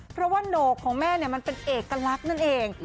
เพราะว่าโหนกของแม่มันเป็นเอกลักษณ์นั่นเอง